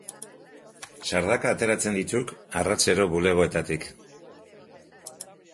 Sardaka ateratzen dituk arratsero bulegoetatik.